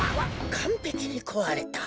かんぺきにこわれた。